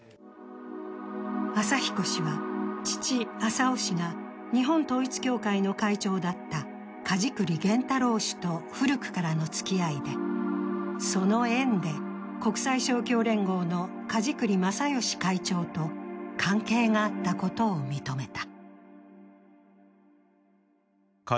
朝彦氏は、父・朝雄氏が日本統一教会の会長だった梶栗玄太郎氏と古くからのつきあいで、その縁で、国際勝共連合の梶栗正義会長と関係があったことを認めた。